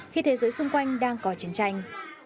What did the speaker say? khi thế giới xung quanh đang có chiến tranh